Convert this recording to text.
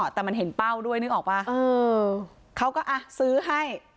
แต่มันเห็นเป้าด้วยนึกออกป่ะเขาก็ซื้อให้